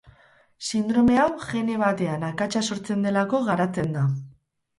Sindrome hau gene batean akatsa sortzen delako garatzen da.